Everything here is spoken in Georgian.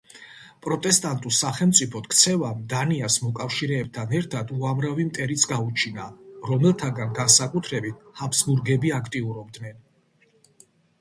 პროტესტანტულ სახელმწიფოდ ქცევამ, დანიას მოკავშირეებთან ერთად უამრავი მტერიც გაუჩინა, რომელთაგან განსაკუთრებით ჰაბსბურგები აქტიურობდნენ.